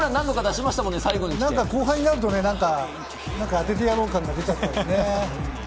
後半になると当ててやろう感が出ちゃったんですよね。